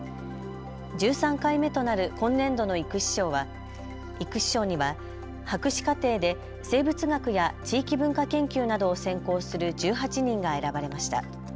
１３回目となる今年度の育志賞には博士課程で生物学や地域文化研究などを専攻する１８人が選ばれました。